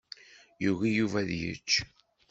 Yugi Yuba ad yečč.